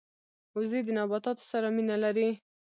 وزې د نباتاتو سره مینه لري